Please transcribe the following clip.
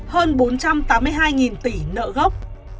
hơn bốn trăm tám mươi hai tỷ nợ gốc